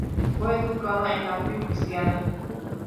Fue educada en la fe cristiana.